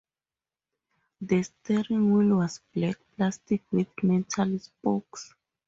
The steering wheel was black plastic with metal spokes.